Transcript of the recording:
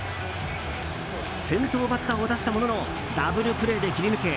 先頭バッターを出したもののダブルプレーで切り抜け